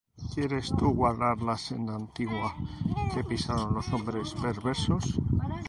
¿Quieres tú guardar la senda antigua, Que pisaron los hombres perversos?